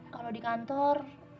kalau di kantor